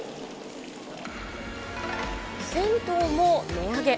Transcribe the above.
銭湯も値上げ。